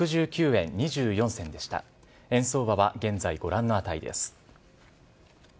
円相場は現在、ご覧の値です。